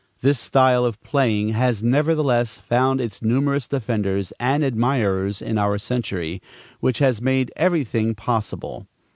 This style of playing has nevertheless found its numerous defenders and admirers in our century, which has made every thing possible.